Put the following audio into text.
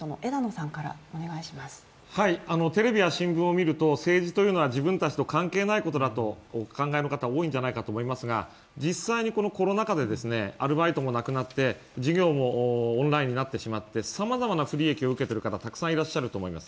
テレビや新聞を見ると政治というのは自分たちと関係ないことだとお考えの方、多いんじゃないかと思いますが実際にコロナ禍でアルバイトもなくなって授業もオンラインになってしまってさまざまな不利益を受けている方たくさんいらっしゃると思います。